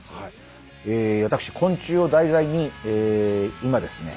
私昆虫を題材に今ですね